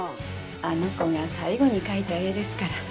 あの子が最後に描いた絵ですから。